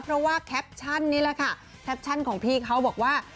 เพราะว่าแคปชั่นนี่แหละค่ะแคปชั่นของพี่เขาบอกว่า